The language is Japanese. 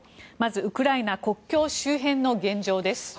まずウクライナ国境周辺の現状です。